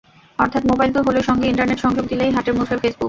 অর্থাৎ, মোবাইল তো হলোই, সঙ্গে ইন্টারনেট সংযোগ দিলেই হাতের মুঠোয় ফেসবুক।